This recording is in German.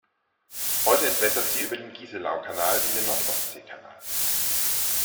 Heute entwässert sie über den Gieselau-Kanal in den Nord-Ostsee-Kanal.